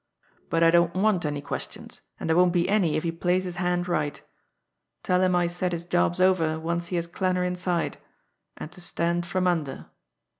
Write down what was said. But I don't want any questions, and there won't be any if he plays his hand right. Tell him I said his job's over once he has Klanner inside and to stand from under.